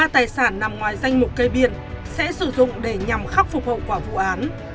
ba tài sản nằm ngoài danh mục cây biển sẽ sử dụng để nhằm khắc phục hậu quả vụ án